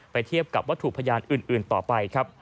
ไปเทียบกับวัตถุพยานอื่นต่อไป